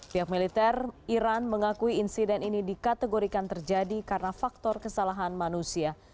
pihak militer iran mengakui insiden ini dikategorikan terjadi karena faktor kesalahan manusia